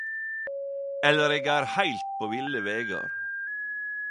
Eller eg er heilt på ville vegar